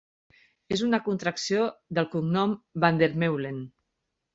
És una contracció del cognom Van der Meulen.